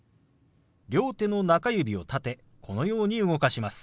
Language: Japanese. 両手の中指を立てこのように動かします。